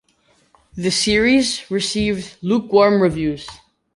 The series received lukewarm reviews.